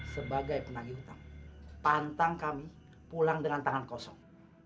sebagai penagih hutang pantang kami pulang dengan tangan kosong